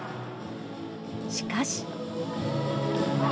しかし。